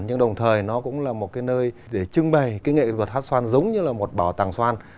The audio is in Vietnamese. nhưng đồng thời nó cũng là một nơi để trưng bày nghệ vật hát xoan giống như một bảo tàng xoan